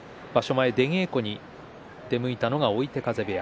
前出稽古に出向いたのが追手風部屋。